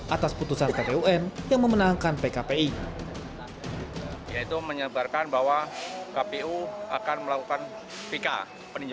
atas putusan pt un yang memenangkan pkpi